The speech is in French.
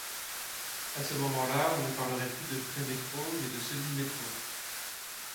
À ce moment-là, on ne parlerait plus de prémétro mais de semi-métro.